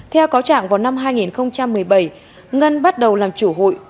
theo cáo trạng vào năm hai nghìn một mươi bảy ngân bắt đầu làm chủ hụi